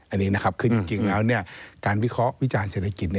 อันนี้นะครับคือจริงแล้วการวิเคราะห์วิจารณ์เศรษฐกิจ